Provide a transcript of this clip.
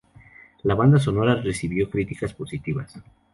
La banda sonora recibió críticas positivas.